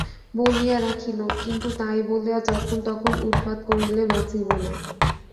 বলিয়া রাখিল, কিন্তু তাই বলিয়া যখন-তখন উৎপাত করিলে বাঁচিব না।